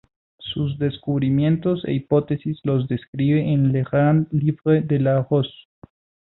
Sus descubrimientos e hipótesis los describe en "Le grand livre de la Rose".